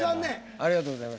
ありがとうございます。